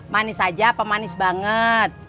manis aja apa manis banget